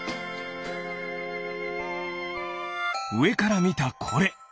うえからみたこれ。